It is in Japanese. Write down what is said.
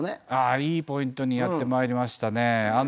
いいポイントにやってまいりましたね。